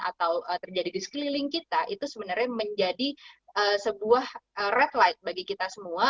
atau terjadi di sekeliling kita itu sebenarnya menjadi sebuah red light bagi kita semua